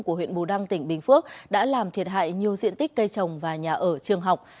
của huyện bù đăng tỉnh bình phước đã làm thiệt hại nhiều diện tích cây trồng và nhà ở trường học